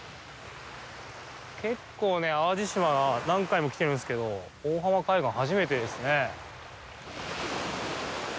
結構、淡路島は何回も来てるんですけど、大浜海岸は初めてですね。